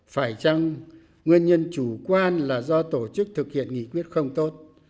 phải chăng nguyên nhân chủ quan là do tổ chức thực hiện nghị quyết không tốt